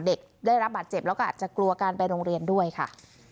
เด็กได้รับบาดเจ็บแล้วก็อาจจะกลัวการไปโรงเรียนด้วยค่ะ